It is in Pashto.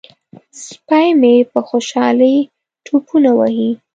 سپی مې په خوشحالۍ ټوپونه وهي.